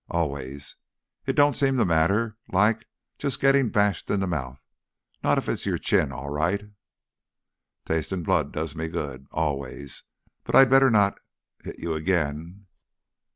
"Always. It don't seem to matter, like, just getting bashed in the mouth not if your chin's all right. Tastin' blood does me good. Always. But I better not 'it you again."